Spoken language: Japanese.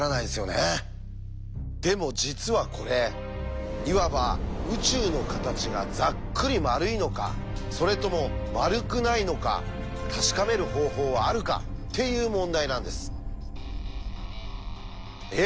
でも実はこれいわば「宇宙の形がざっくり丸いのかそれとも丸くないのか確かめる方法はあるか？」っていう問題なんです。え？